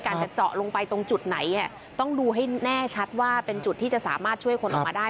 จะเจาะลงไปตรงจุดไหนต้องดูให้แน่ชัดว่าเป็นจุดที่จะสามารถช่วยคนออกมาได้